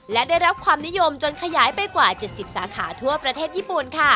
และได้รับความนิยมจนขยายไปกว่า๗๐สาขาทั่วประเทศญี่ปุ่นค่ะ